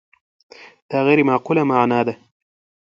دا غیر معقولة المعنی ده.